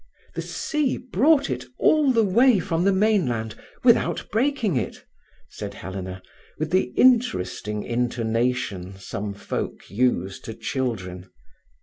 "The sea brought it all the way from the mainland without breaking it," said Helena, with the interesting intonation some folk use to children.